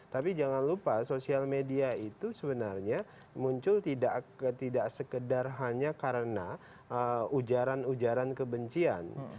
tapi jangan lupa sosial media itu sebenarnya muncul tidak sekedar hanya karena ujaran ujaran kebencian